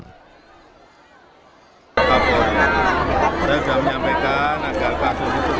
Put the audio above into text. pak jokowi saya sudah menyampaikan agar kasus itu tutup tutup